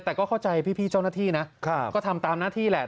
แต่ก็เข้าใจพี่เจ้าหน้าที่นะก็ทำตามหน้าที่แหละ